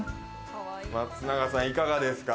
松永さん、いかがですか？